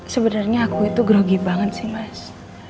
sebenarnya aku itu grogi banget sih mas